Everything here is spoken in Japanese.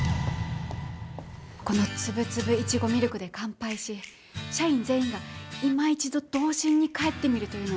このつぶつぶいちごミルクで乾杯し社員全員がいま一度童心に返ってみるというのはいかがでしょうか。